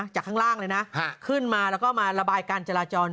ข้างล่างเลยนะขึ้นมาแล้วก็มาระบายการจราจร